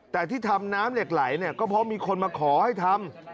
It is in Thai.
แต่ที่ทำน้ำเหล็กไหลเนี่ยก็เพราะมีคนมาขอให้ทำ